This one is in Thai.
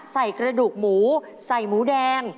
ใส่กระดูกหมูใส่หมูแดง